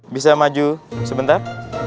bisa maju sebentar